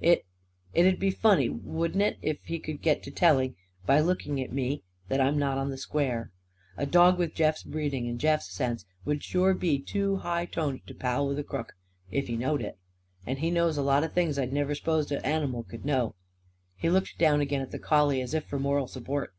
It it'd be funny, wouldn't it, if he c'd get to telling, by looking at me, that I'm not on the square? A dog with Jeff's breeding and Jeff's sense would sure be too high toned to pal with a crook, if he knowed it. And he knows a lot of things I'd never s'posed a animal c'd know." He looked down again at the collie as if for moral support.